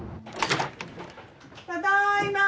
ただいま。